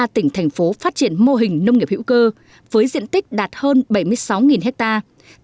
ba tỉnh thành phố phát triển mô hình nông nghiệp hữu cơ với diện tích đạt hơn bảy mươi sáu hectare